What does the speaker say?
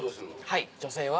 はい女性は。